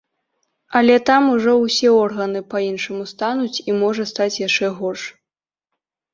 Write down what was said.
Але там ужо ўсе органы па-іншаму стануць і можа стаць яшчэ горш.